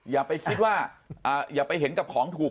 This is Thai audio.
อย่าไปคิดว่าอย่าไปเห็นกับของถูก